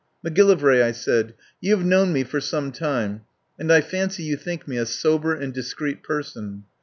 "Macgillivray," I said, "you have known me for some time, and I fancy you think me a sober and discreet person.